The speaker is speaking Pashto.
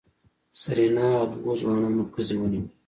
سېرېنا او دوو ځوانانو پزې ونيولې.